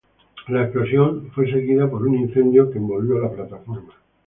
La explosión fue seguida por un incendio que envolvió la plataforma.